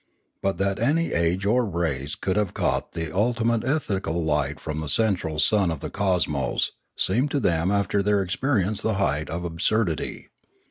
But that any age or race could have caught the ultimate ethical light from the central sun of the cosmos seemed to them after their experience the height of absurdity.